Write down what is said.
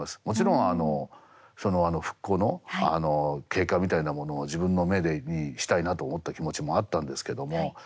もちろんあのその復興の経過みたいなものを自分の目にしたいなと思った気持ちもあったんですけども。